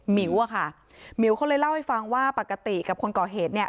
หิวอะค่ะหมิวเขาเลยเล่าให้ฟังว่าปกติกับคนก่อเหตุเนี่ย